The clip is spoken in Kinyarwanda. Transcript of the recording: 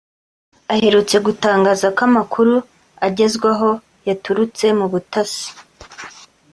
aherutse gutangaza ko amakuru agezwaho yaturutse mu butasi